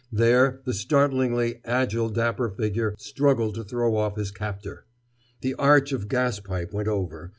There the startlingly agile dapper figure struggled to throw off his captor. The arch of gas pipe went over.